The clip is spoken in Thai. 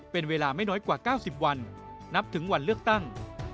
เป็นเวลาไม่น้อยกว่า๙๐วันนับถึงวันเลือกตั้ง